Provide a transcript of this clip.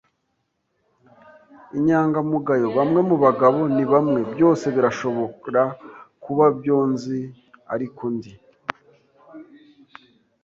inyangamugayo; bamwe mu bagabo ni bamwe; byose birashobora kuba kubyo nzi. Ariko ndi